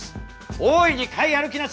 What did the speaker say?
大いに買い歩きなさい。